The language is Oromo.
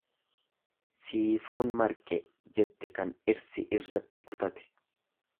"""Siifuun marqe"" jette kan dhirsi irratti kutate."